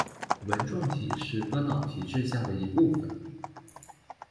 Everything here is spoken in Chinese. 纹状体是端脑皮质下的一部份。